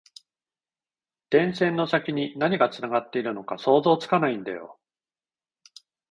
電線の先に何がつながっているのか想像つかないんだよ